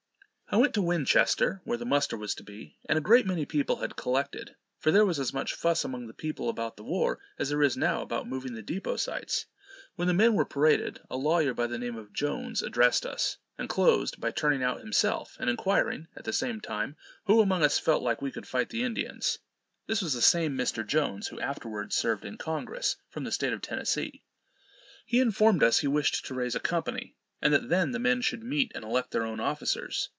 I went to Winchester, where the muster was to be, and a great many people had collected, for there was as much fuss among the people about the war as there is now about moving the deposites. When the men were paraded, a lawyer by the name of Jones addressed us, and closed by turning out himself, and enquiring, at the same time, who among us felt like we could fight Indians? This was the same Mr. Jones who afterwards served in Congress, from the state of Tennessee. He informed us he wished to raise a company, and that then the men should meet and elect their own officers.